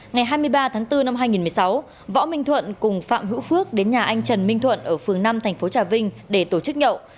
ngày hai mươi ba tháng bốn năm hai nghìn một mươi sáu võ minh thuận cùng phạm hữu phước đến nhà anh trần minh thuận ở phường năm thành phố trà vinh để tổ chức nhậu